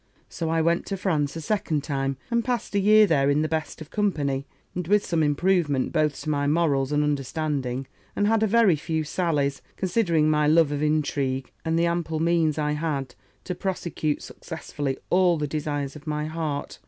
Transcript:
So I went to France a second time, and passed a year there in the best of company, and with some improvement both to my morals and understanding; and had a very few sallies, considering my love of intrigue, and the ample means I had to prosecute successfully all the desires of my heart.